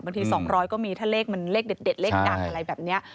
บางทีสองร้อยก็มีถ้าเลขมันเลขเด็ดเลขดังอะไรแบบนี้